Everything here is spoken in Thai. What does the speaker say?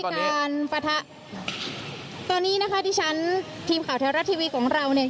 การปะทะตอนนี้นะคะที่ฉันทีมข่าวแท้รัฐทีวีของเราเนี่ย